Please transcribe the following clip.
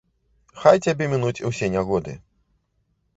Хай цябе мінуць усе нягоды.